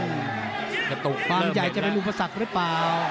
กระตุกเริ่มเห็นนะความใหญ่จะเป็นอุปสรรคหรือเปล่า